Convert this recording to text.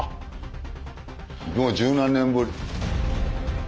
もう十何年ぶり。